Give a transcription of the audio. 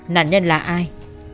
nạn nhân là ai